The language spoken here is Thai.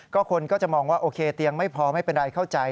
คนก็จะมองว่าโอเคเตียงไม่พอไม่เป็นไรเข้าใจ